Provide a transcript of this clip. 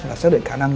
là xác định khả năng